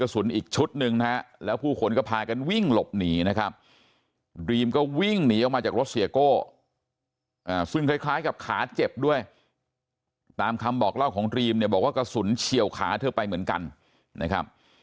ซึ่งคล้ายกับขาเจ็บด้วยตามคำบอกเล่าของดรีมเนี่ยบอกว่ากระสุนเฉียวขาเธอไปเหมือนกันนะครับ